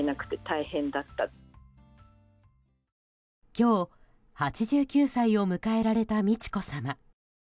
今日、８９歳を迎えられた美智子さま。